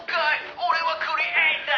俺はクリエイター」